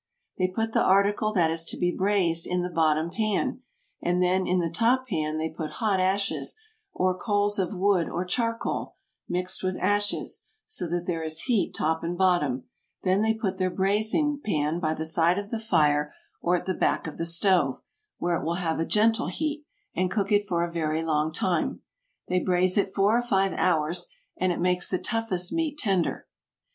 They put the article that is to be braised in the bottom pan, and then in the top pan they put hot ashes, or coals of wood or charcoal, mixed with ashes; so that there is heat top and bottom; then they put their braising pan by the side of the fire or at the back of the stove, where it will have a gentle heat, and cook it for a very long time. They braise it four or five hours, and it makes the toughest meat tender.